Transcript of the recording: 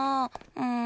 うん。